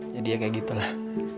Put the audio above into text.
jadi ya kayak gitu lah